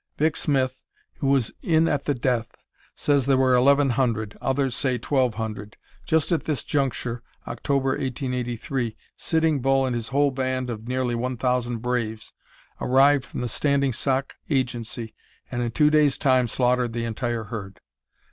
Vic. Smith, who was "in at the death," says there were eleven hundred, others say twelve hundred. Just at this juncture (October, 1883) Sitting Bull and his whole band of nearly one thousand braves arrived from the Standing Sock Agency, and in two days' time slaughtered the entire herd.